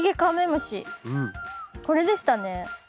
これでしたね。